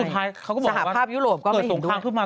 เพราะสุดท้ายเขาก็บอกว่าเกิดตรงคลังขึ้นมา